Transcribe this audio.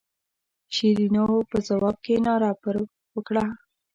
شیرینو په ځواب کې ناره پر وکړه.